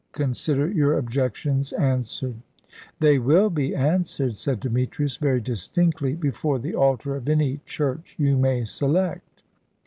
Consider your objections answered." "They will be answered," said Demetrius, very distinctly, "before the altar of any church you may select."